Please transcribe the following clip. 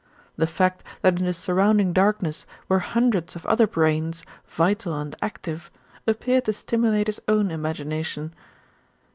The fact that in the surrounding darkness were hundreds of other brains, vital and active, appeared to stimulate his own imagination.